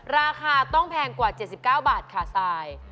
ราคาต้องแพงกว่า๗๙บาทค่ะทราย